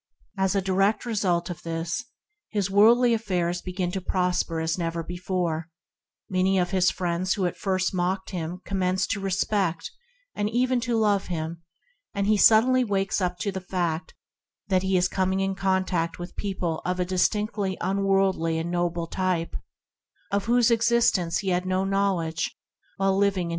As a direct result of this, his worldly affairs begin to prosper as never before; many of the friends who at first mocked him commence to respect, and even to love him; and he suddenly awakens to the fact that he is coming in contact with people of a distinctly unworldly and noble type, of whose existence he had no knowledge.